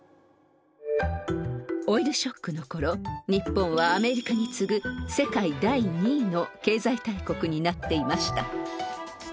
オイルショックの頃日本はアメリカに次ぐ世界第２位の経済大国になっていました。